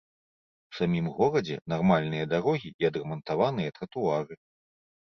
У самім горадзе нармальныя дарогі і адрамантаваныя тратуары.